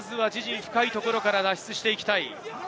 まずは自陣、深いところから脱出していきたい。